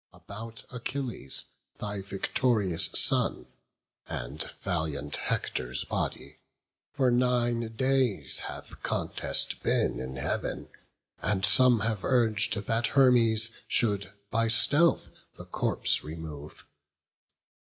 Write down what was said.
About Achilles, thy victorious son, And valiant Hector's body, for nine days Hath contest been in Heav'n; and some have urg'd That Hermes should by stealth the corpse remove.